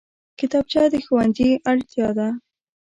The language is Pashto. کتابچه د ښوونځي اړتیا ده